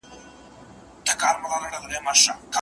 هغوی کار او کورنۍ ته مساوي وخت ورکوي.